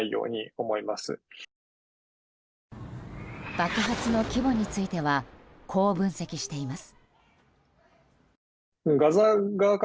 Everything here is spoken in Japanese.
爆発の規模についてはこう分析しています。